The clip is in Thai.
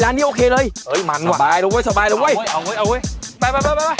ร้านนี้โอเคเลยมันว่ะสบายแล้วเว้ยเอาเว้ยไป